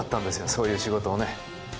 そういう仕事をね。